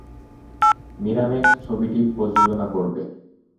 Miramax ছবিটি প্রযোজনা করবে।